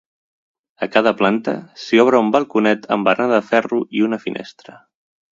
A cada planta s'hi obre un balconet amb barana de ferro i una finestra.